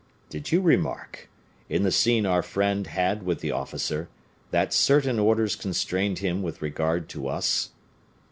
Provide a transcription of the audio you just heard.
"Did you remark, in the scene our friend had with the officer, that certain orders constrained him with regard to us?"